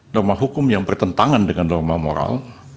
norma hukum yang bertentangan dengan norma moral